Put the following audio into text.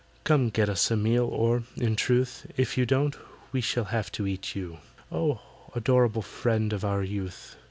Come, get us a meal, or, in truth, If you don't, we shall have to eat you, Oh, adorable friend of our youth!